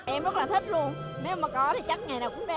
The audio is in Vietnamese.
em rất là thích luôn nếu mà có thì chắc ngày nào cũng ra